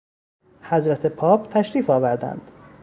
حضرت پاپ تشریف آوردند.